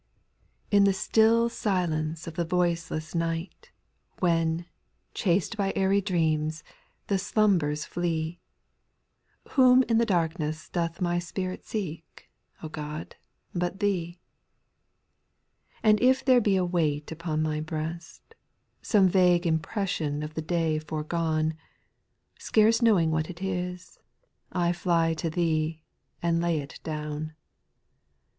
TN the still silence of the voiceless night, JL When, chased by airy dreams, the slum* bers flee. Whom in the darkness doth my spirit seek, O God, but Thee ? 2. And if there be a weight upon my breast, Some vague impression of the day foregone, Scarce knowing what it is, I fly to Thee, And lay it down. SPIRITUAL SONGS. 287 8.